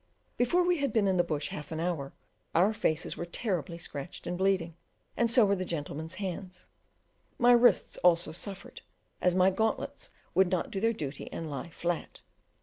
Before we had been in the bush half an hour our faces were terribly scratched and bleeding, and so were the gentlemen's hands; my wrists also suffered, as my gauntlets would not do their duty and lie flat.